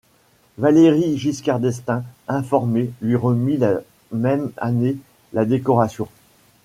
Valéry Giscard d'Estaing, informé, lui remit la même année la décoration.